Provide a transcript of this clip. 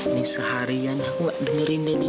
ini seharian aku nggak dengerin dedi